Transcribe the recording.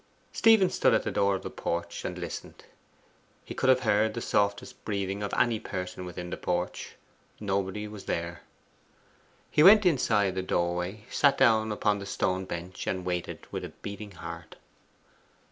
Stephen stood at the door of the porch and listened. He could have heard the softest breathing of any person within the porch; nobody was there. He went inside the doorway, sat down upon the stone bench, and waited with a beating heart.